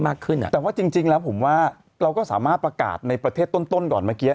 แต่ว่าจริงแล้วผมว่าเราก็สามารถประกาศในประเทศต้นก่อนเมื่อกี้